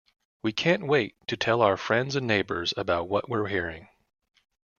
We can't wait to tell our friends and neighbors about what we're hearing.